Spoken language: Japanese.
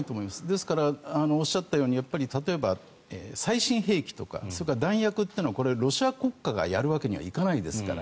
ですから、おっしゃったように例えば最新兵器とか弾薬というのはロシア国家がやるわけにはいかないですから。